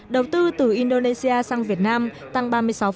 đầu tư từ indonesia sang việt nam tăng ba mươi sáu